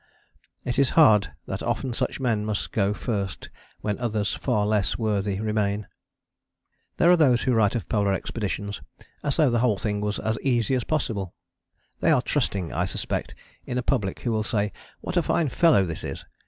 It is hard that often such men must go first when others far less worthy remain. [Illustration: CAMPING AFTER DARK E. A. Wilson, del.] There are those who write of Polar Expeditions as though the whole thing was as easy as possible. They are trusting, I suspect, in a public who will say, "What a fine fellow this is!